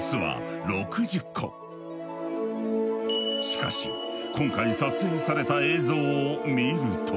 しかし今回撮影された映像を見ると。